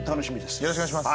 よろしくお願いします。